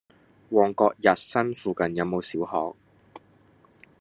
旺角逸新附近有無小學？